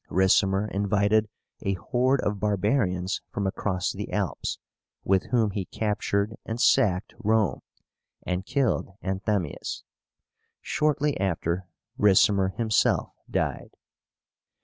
Ricimer invited a horde of barbarians from across the Alps, with whom he captured and sacked Rome, and killed Anthemius. Shortly after, Ricimer himself died.